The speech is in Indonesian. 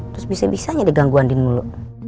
terus bisa bisanya diganggu andien mulu